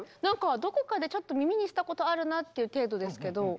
なんかどこかでちょっと耳にしたことあるなっていう程度ですけど。